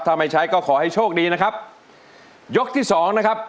ถ้าไม่ใช้ก็ขอให้โชคดีนะครับยกที่สองนะครับ